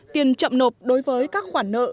tiền chậm nộp đối với các khoản nợ